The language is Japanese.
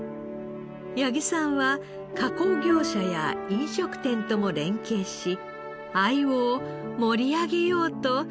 八木さんは加工業者や飲食店とも連携し秋穂を盛り上げようと協議会を設立しました。